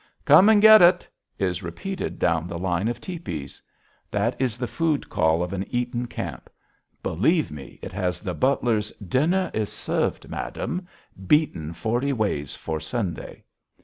"Come and get it!" is repeated down the line of tepees. That is the food call of an Eaton camp. Believe me, it has the butler's "Dinner is served, madame," beaten forty ways for Sunday.